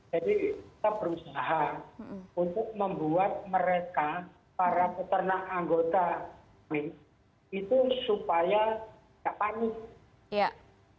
jadi kita berusaha untuk membuat mereka para peternak anggota kami itu supaya tidak panik